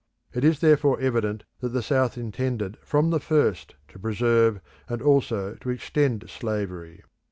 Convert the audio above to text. It is therefore evident that the South intended from the first to preserve, and also to extend slavery.